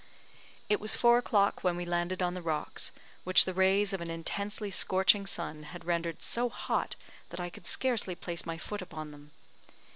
It was four o'clock when we landed on the rocks, which the rays of an intensely scorching sun had rendered so hot that I could scarcely place my foot upon them.